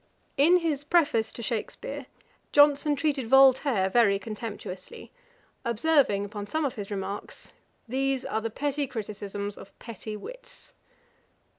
] In his Preface to Shakspeare, Johnson treated Voltaire very contemptuously, observing, upon some of his remarks, 'These are the petty criticisms of petty wits.'